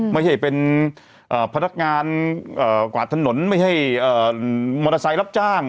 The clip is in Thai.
ไม่ใช่เป็นพนักงานกวาดถนนไม่ใช่มอเตอร์ไซค์รับจ้าง